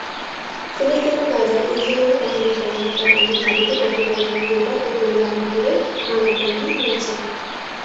ফিলিস্তিনের গাজায় ইসরায়েলি বাহিনীর গণহত্যা বন্ধের দাবিতে গতকাল মঙ্গলবার দুপুরে জামালপুরে মানববন্ধন হয়েছে।